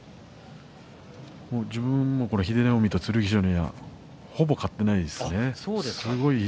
自分も英乃海と剣翔には、ほぼ勝っていません。